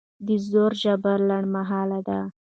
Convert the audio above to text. د زور ژبه لنډمهاله ده